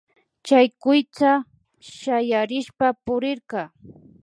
Chay kuytsa shayarishpa purirka